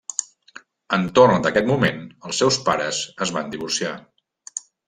Entorn d'aquest moment, els seus pares es van divorciar.